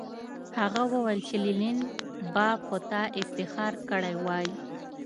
هغه وویل چې لینن به په تا افتخار کړی وای